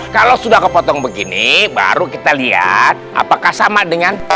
kalau sudah kepotong begini baru kita lihat apakah sama dengan